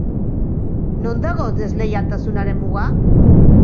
Non dago desleialtasunaren muga?